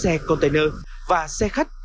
xe container và xe khách